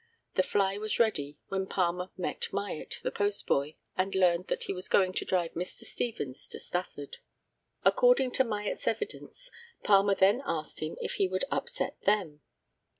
The fly was ready, when Palmer met Myatt, the postboy, and learned that he was going to drive Mr. Stevens to Stafford. According to Myatt's evidence, Palmer then asked him if he would upset "them."